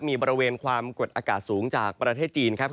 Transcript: มีบริเวณความกดอากาศสูงจากประเทศจีนครับ